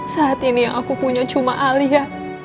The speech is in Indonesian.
saat ini yang aku punya cuma alia